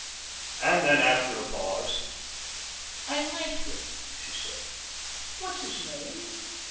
And then, after a pause: "I like him," she said. "What's his name?"